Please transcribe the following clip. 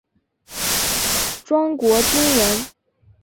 庄国钧人。